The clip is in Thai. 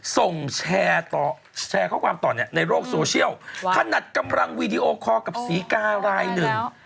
ส่งแชร์ต่อแชร์ข้อความต่อเนี่ยในโลกโซเชียลถนัดกำลังวีดีโอคอร์กับศรีการายหนึ่ง